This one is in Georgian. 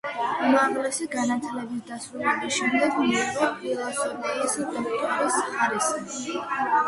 უმაღლესი განათლების დასრულების შემდეგ მიიღო ფილოსოფიის დოქტორის ხარისხი.